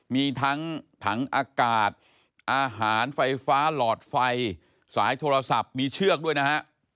มีทั้งถังอากาศอาหารไฟฟ้าหลอดไฟสายโทรศัพท์มีเชือกด้วยนะฮะ